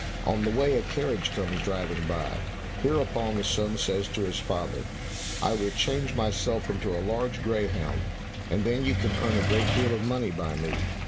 On the way a carriage comes driving by. Hereupon the son says to his father, "I will change myself into a large greyhound, and then you can earn a great deal of money by me."